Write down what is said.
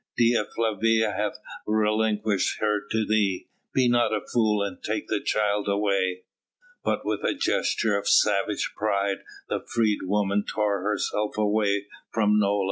Dea Flavia hath relinquished her to thee. Be not a fool and take the child away!" But with a gesture of savage pride the freedwoman tore herself away from Nola.